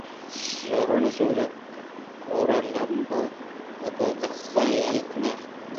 زور ءُ نزور کئورے ءِ لمب ءَ دو درپ یلہ کنگ بوت